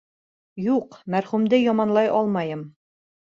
Юҡ, мәрхүмде яманлай алмайым.